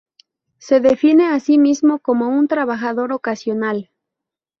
Se define a sí mismo como "un trabajador ocasional".